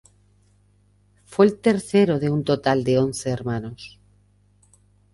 Fue el tercero de un total de once hermanos.